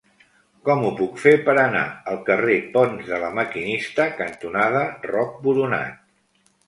Com ho puc fer per anar al carrer Ponts de La Maquinista cantonada Roc Boronat?